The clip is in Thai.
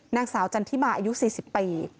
นางสาวจันทิมาอายุ๔๐ปี